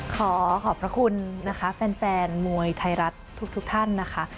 ขอขอบพระคุณนะคะแฟนมวยไทยรัฐทุกท่านนะคะ